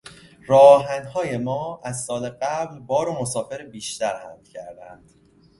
راهآهنهای ما از سال قبل بار و مسافر بیشتر حمل کردند.